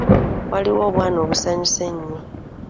Waliwo obwana obusanyusa ennyo.